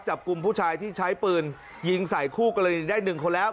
จับกลุ่มผู้ชายที่ใช้ปืนยิงใส่คู่กรณีได้หนึ่งคนแล้ว